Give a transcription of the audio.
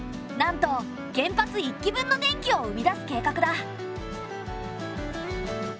なんと原発一基分の電気を生み出す計画だ。